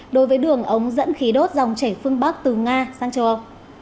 đối với đường ống dẫn khí đốt dòng chảy phương bắc từ nga sang châu âu